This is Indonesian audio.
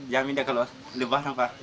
jamin ya kalau lebaran pak